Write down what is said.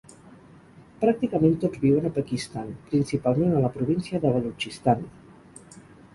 Pràcticament tots viuen a Pakistan, principalment a la província de Balutxistan.